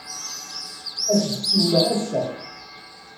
Ad ak-d-siwleɣ ass-a.